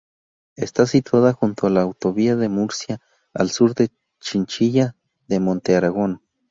Está situada junto a la autovía de Murcia, al sur de Chinchilla de Montearagón.